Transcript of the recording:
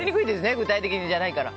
具体的じゃないから。